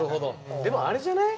でもあれじゃない？